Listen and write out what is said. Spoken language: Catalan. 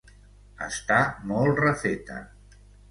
Està molt refeta.